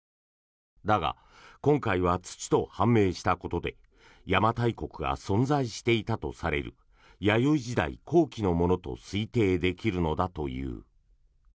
だが、今回は土と判明したことで邪馬台国が存在していたとされる弥生時代後期のものと推定できるのだという。